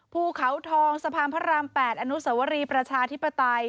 ภูเขาทองสะพานพระราม๘อนุสวรีประชาธิปไตย